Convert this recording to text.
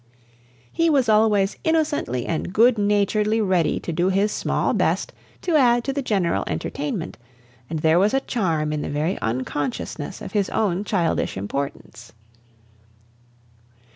He was always innocently and good naturedly ready to do his small best to add to the general entertainment, and there was a charm in the very unconsciousness of his own childish importance.